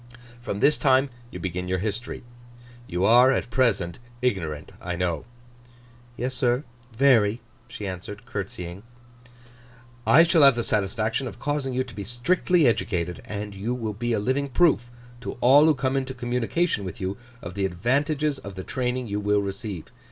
From this time you begin your history. You are, at present, ignorant, I know.' 'Yes, sir, very,' she answered, curtseying. 'I shall have the satisfaction of causing you to be strictly educated; and you will be a living proof to all who come into communication with you, of the advantages of the training you will receive.